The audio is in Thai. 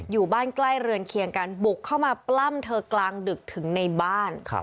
อยู่บ้านใกล้เรือนเคียงกันบุกเข้ามาปล้ำเธอกลางดึกถึงในบ้าน